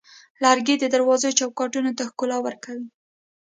لرګی د دروازو چوکاټونو ته ښکلا ورکوي.